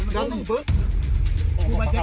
อ๋อมันต้องหนูเฟ้ออ๋อมันต้องหนูเฟ้อ